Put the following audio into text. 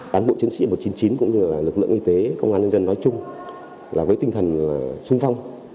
cán bộ chiến sĩ một trăm chín mươi chín cũng như là lực lượng y tế công an nhân dân nói chung là với tinh thần sung phong